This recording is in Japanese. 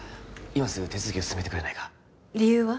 今すぐ手続きを進めてくれないか理由は？